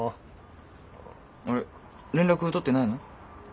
あれ連絡取ってないの？